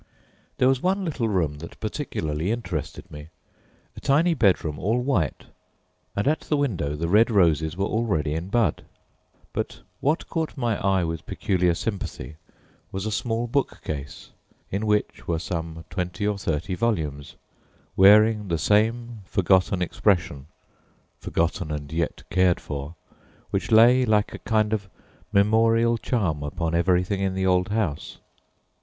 There was one little room that particularly interested me, a tiny bedroom all white, and at the window the red roses were already in bud. But what caught my eye with peculiar sympathy was a small bookcase, in which were some twenty or thirty volumes, wearing the same forgotten expression forgotten and yet cared for which lay like a kind of memorial charm upon everything in the old house.